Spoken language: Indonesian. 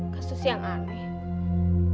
kasus yang aneh